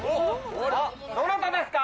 どなたですか？